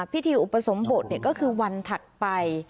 พิธีอุปสรมบวชเนี่ยก็คือวันถัดไป